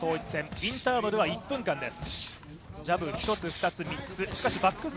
インターバルは１分間です。